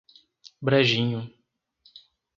Brejinho